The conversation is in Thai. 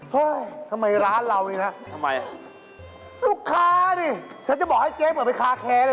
แก้หิตแก้ฝีแก้ฝีแก้ฝี